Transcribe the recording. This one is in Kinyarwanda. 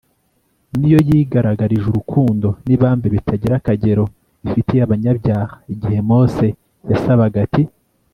ni yo yigaragarijurukundo nibambe bitagirakagero ifitiyabanyabyaha Igihe Mose yasabagati